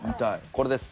これです。